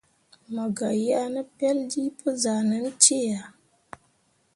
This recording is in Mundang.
Mo gah yeah ne peljii pə zahʼnan cee ahe.